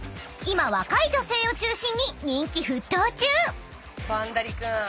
［今若い女性を中心に人気沸騰中］